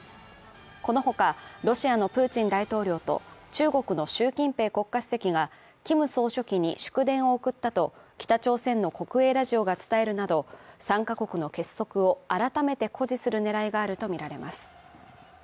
このほか、ロシアのプーチン大統領と中国の習近平国家主席がキム総書記に祝電を送ったと北朝鮮の国営ラジオが伝えるなど３か国の結束を改めて誇示する狙いがあるとみられます。